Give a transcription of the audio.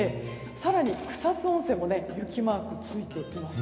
更に草津温泉も雪マークついています。